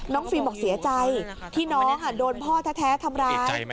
ฟิล์มบอกเสียใจที่น้องโดนพ่อแท้ทำร้าย